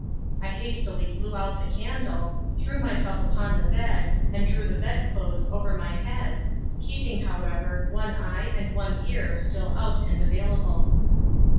I hastily blew out the candle, threw myself upon the bed and drew the bedclothes over my head, keeping, however, one eye and one ear still out and available.